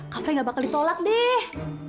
kak fre gak bakal ditolak deh